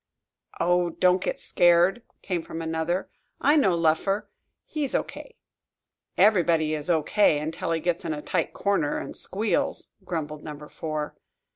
"Oh, don't get scared!" came from another. "I know Luffer he's O.K." "Everybody is O.K. until he gets in a tight corner and squeals," grumbled Number Four.